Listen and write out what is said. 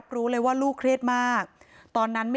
พี่สาวบอกว่าไม่ได้ไปกดยกเลิกรับสิทธิ์นี้ทำไม